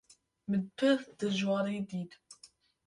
Min pir dijwarî dît.